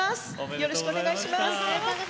よろしくお願いします。